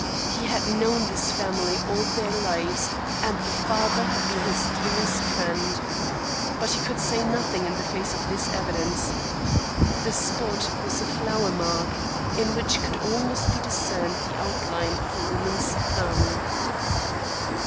He had known this family all their lives and the father had been his dearest friend. But he could say nothing in face of this evidence. The spot was a flour mark, in which could almost be discerned the outline of a woman's thumb.